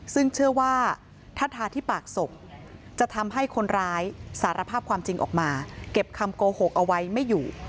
ซึ่งเชื่อว่าถ้าทาที่ปากศพจะทำให้คนร้ายสารภาพความจริงออกมาเก็บคำโกหกเอาไว้ไม่อยู่